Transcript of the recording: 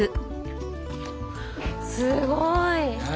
すごい！ね！